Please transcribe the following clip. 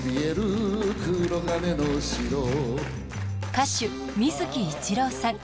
歌手水木一郎さん。